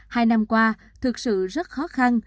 hai năm qua thực sự rất khó khăn